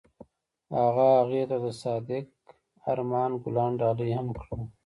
هغه هغې ته د صادق آرمان ګلان ډالۍ هم کړل.